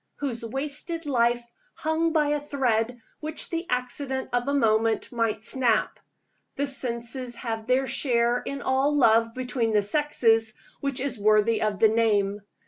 whose wasted life hung by a thread which the accident of a moment might snap? The senses have their share in all love between the sexes which is worthy of the name.